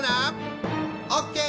オッケー！